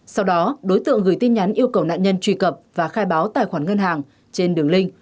sau đó đối tượng gửi tin nhắn yêu cầu nạn nhân truy cập và khai báo tài khoản ngân hàng trên đường link